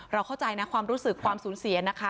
เข้าใจนะความรู้สึกความสูญเสียนะคะ